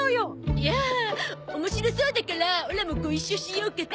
いや面白そうだからオラもご一緒しようかと。